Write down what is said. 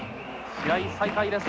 試合再開です。